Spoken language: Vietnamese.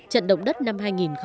trận động đất năm hai nghìn bốn